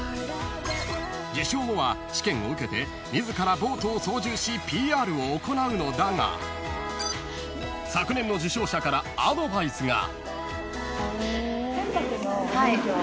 ［受賞後は試験を受けて自らボートを操縦しＰＲを行うのだが昨年の受賞者からアドバイスが］